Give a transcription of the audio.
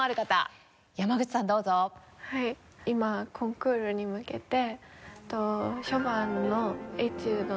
今コンクールに向けて。